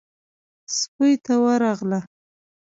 سپۍ ته ورغله.